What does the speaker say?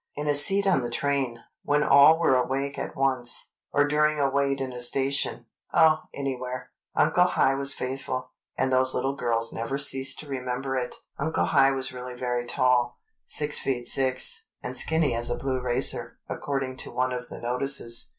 In a seat on the train, when all were awake at once, or during a wait in a station—oh, anywhere—Uncle High was faithful, and those little girls never ceased to remember it. Uncle High was really very tall—"six feet six, and skinny as a blue racer" according to one of the notices.